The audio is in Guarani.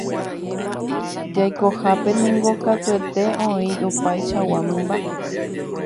Jaikohápe niko katuete oĩ opaichagua mymba.